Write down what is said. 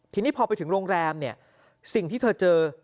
ทีนี้พอไปถึงโรงแรมเนี่ยสิ่งที่เธอเจอ